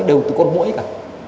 đều từ con mũi cả